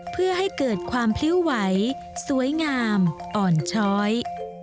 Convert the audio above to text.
เพื่อให้เกิดความพลิ้วไหวสวยงามอ่อนช้อย